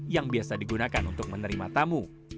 yang biasa digunakan untuk menerima tamu